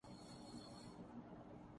گھر میں راشن ختم ہو چکا ہے